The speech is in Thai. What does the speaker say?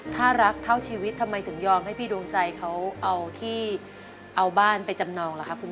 ถ้ารักเท่าชีวิตทำไมถึงยอมให้พี่ดวงใจเขาเอาที่เอาบ้านไปจำนองล่ะครับคุณผู้ชม